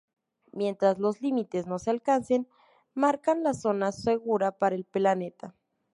Mientras los límites no se alcancen, marcan la "zona segura" para el planeta.